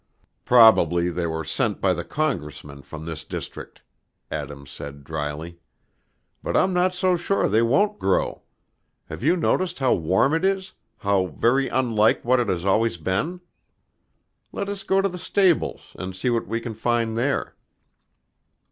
"Probably they were sent by the congressman from this district," Adam said dryly. "But I'm not so sure they won't grow. Have you noticed how warm it is, how very unlike what it has always been? Let us go to the stables, and see what we can find there."